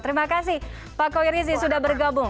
terima kasih pak koirizi sudah bergabung